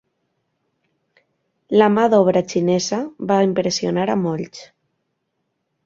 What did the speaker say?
La mà d'obra xinesa va impressionar a molts.